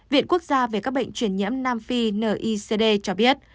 viện quốc gia về các bệnh truyền nhiễm nam phi nicd cho biết